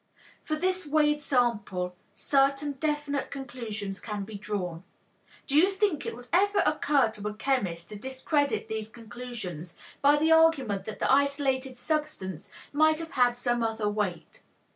From this weighed sample certain definite conclusions can be drawn. Do you think it would ever occur to a chemist to discredit these conclusions by the argument that the isolated substance might have had some other weight?